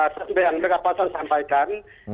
ssb yang mereka pasal sampaikan